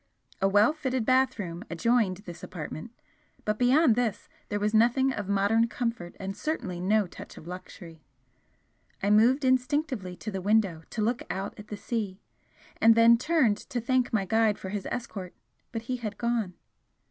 A well fitted bathroom adjoined this apartment, but beyond this there was nothing of modern comfort and certainly no touch of luxury. I moved instinctively to the window to look out at the sea, and then turned to thank my guide for his escort, but he had gone.